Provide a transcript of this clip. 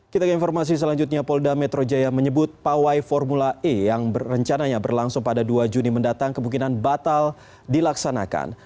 kita ke informasi selanjutnya polda metro jaya menyebut pawai formula e yang berencananya berlangsung pada dua juni mendatang kemungkinan batal dilaksanakan